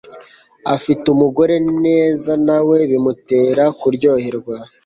afite umugore neza nawe bimutere ku ryoherwa